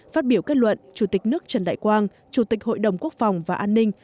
phát biểu kết luận chủ tịch nước trần đại quang chủ tịch hội đồng quốc phòng và an ninh